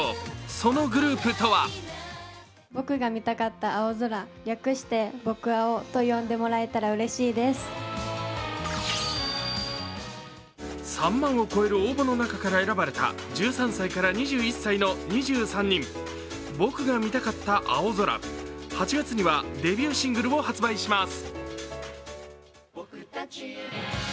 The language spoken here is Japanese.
そのグループとは３万を超える応募の中から選ばれた１３歳から２１歳の２３人、僕が見たかった青空、８月にはデビューシングルを発売します。